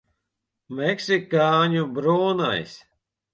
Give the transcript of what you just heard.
Meksikāņu brūnais.